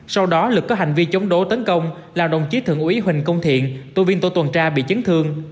sau đó lực có hành vi chống đố tấn công là đồng chí thượng ủy huỳnh công thiện tù viên tổ tùng tra bị chấn thương